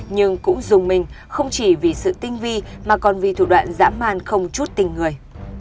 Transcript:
nhưng cũng dùng mình không chỉ vì sự tinh vi mà còn vì thủ đoạn dã man không chút tình người